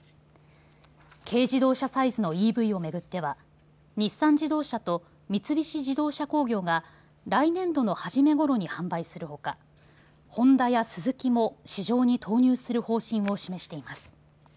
軽自動車サイズのＥＶを巡っては日産自動車と三菱自動車工業が来年度の初めごろに販売するほかホンダやスズキも市場に投入する方針を示しています。